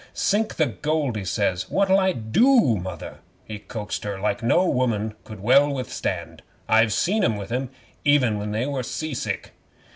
'"Sink the gold!" he says. "What'll I do, mother?" He coaxed her like no woman could well withstand. I've seen him with 'em even when they were sea sick.